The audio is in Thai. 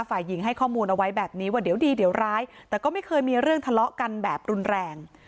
ฝ่ายหญิงให้ข้อมูลเอาไว้แบบนี้ว่าเดี๋ยวดีเดี๋ยวร้ายแต่ก็ไม่เคยมีเรื่องทะเลาะกันแบบรุนแรง